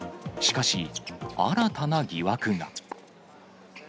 しかし、新たな疑惑が。